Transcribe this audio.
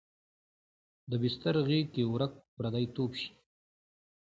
د بستر غیږ کې ورک پردی توب شي